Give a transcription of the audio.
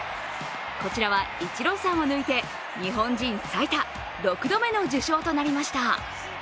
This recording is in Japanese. こちらはイチローさんを抜いて日本人最多６度目の受賞となりました。